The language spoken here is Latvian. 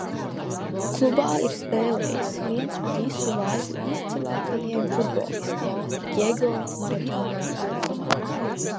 Klubā ir spēlējis viens no visu laiku izcilākajiem futbolistiem Djego Maradona.